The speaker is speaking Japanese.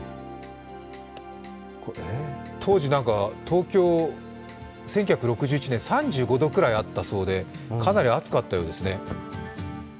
当時、なんか東京１９６１年、３５度くらいあったそうでかなり暑かったようですね。